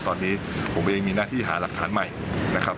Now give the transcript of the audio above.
ตอนนี้ผมเองมีหน้าที่หาหลักฐานใหม่นะครับ